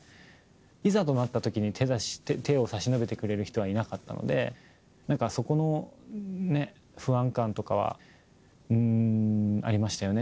いざとなったときに手を差し伸べてくれる人はいなかったので、なんかそこの不安感とかはありましたよね。